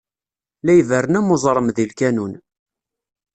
La iberren am uẓṛem di lkanun.